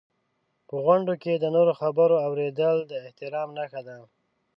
په غونډو کې د نورو خبرو اورېدل د احترام نښه ده.